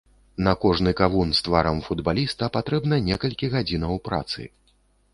На кожны кавун з тварам футбаліста патрэбна некалькі гадзінаў працы.